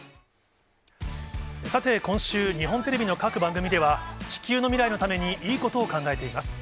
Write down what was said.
さて、今週、日本テレビの各番組では、地球の未来のためにいいことを考えています。